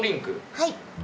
はい。